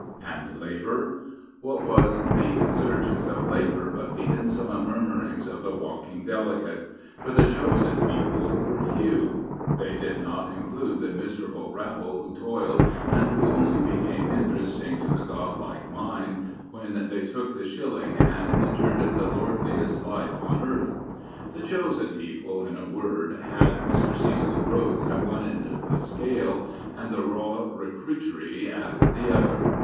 And Labour? What was the insurgence of Labour but the insolent murmurings of the Walking Delegate ? For the Chosen People were few. They did not *L 3*5 Prophets, Priests, and Kings include the miserable rabble who toiled and who only became interesting to the god like mind when they took the shilling and entered " the lordliest life on earth/' The Chosen People, in a word, had Mr. Cecil Rhodes at one end of the scale and the " raw recniity " at the other.